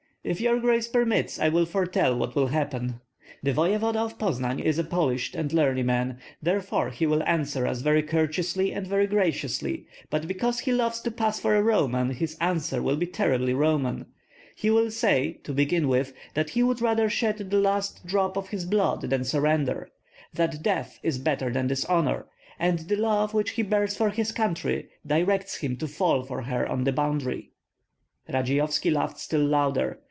"If your grace permits, I will foretell what will happen. The voevoda of Poznan is a polished and learned man, therefore he will answer us very courteously and very graciously; but because he loves to pass for a Roman, his answer will be terribly Roman. He will say, to begin with, that he would rather shed the last drop of his blood than surrender, that death is better than dishonor, and the love which he bears his country directs him to fall for her on the boundary." Radzeyovski laughed still louder.